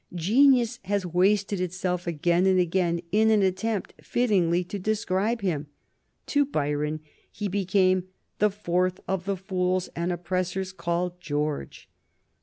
Genius has wasted itself again and again in the attempt fittingly to describe him. To Byron he became "the fourth of the fools and oppressors called George."